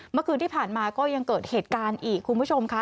เมื่อคืนที่ผ่านมาก็ยังเกิดเหตุการณ์อีกคุณผู้ชมค่ะ